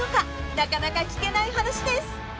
［なかなか聞けない話です］